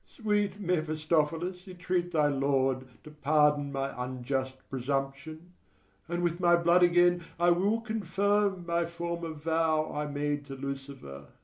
FAUSTUS. Sweet Mephistophilis, entreat thy lord To pardon my unjust presumption, And with my blood again I will confirm My former vow I made to Lucifer.